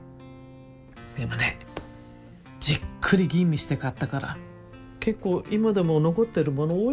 でもねじっくり吟味して買ったから結構今でも残ってるもの多いのよ。